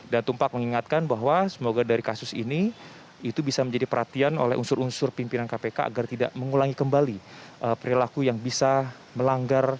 dan tumpak mengingatkan bahwa semoga dari kasus ini itu bisa menjadi perhatian oleh unsur unsur pimpinan kpk agar tidak mengulangi kembali perilaku yang bisa melanggar